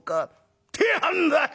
ってやんだよ！」。